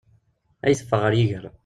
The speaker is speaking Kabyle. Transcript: Ad iyi-teffeɣ ɣer yiger.